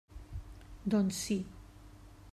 Doncs sí.